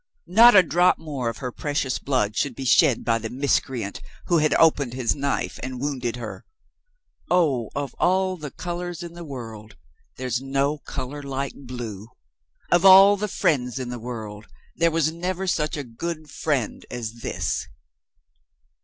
Not a drop more of her precious blood should be shed by the miscreant, who had opened his knife and wounded her. Oh, of all the colors in the world, there's no color like blue! Of all the friends in the world, there never was such a good friend as this!